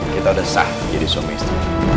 kita udah sah jadi suami istri